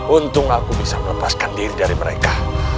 untung aku bisa melepaskan diri dari mereka